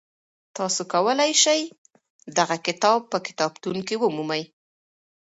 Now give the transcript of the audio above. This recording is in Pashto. تاسو کولی شئ دغه کتاب په کتابتون کي ومومئ.